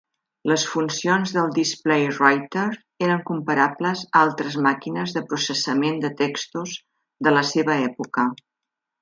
Les funcions del Displaywriter eren comparables a altres màquines de processament de textos de la seva època.